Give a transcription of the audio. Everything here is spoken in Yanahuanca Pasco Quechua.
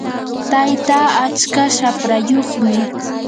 tayta atska shaprayuqmi.